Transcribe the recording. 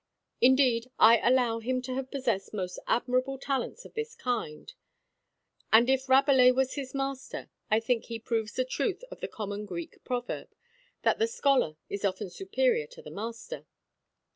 Indeed, I allow him to have possessed most admirable talents of this kind; and, if Rabelais was his master, I think he proves the truth of the common Greek proverb that the scholar is often superior to the master.